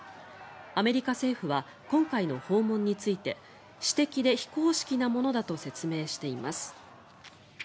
アメリカ政府は今回の訪問について私的で非公式なものだと説明しています。